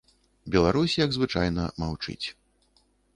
Беларусь, як звычайна, маўчыць.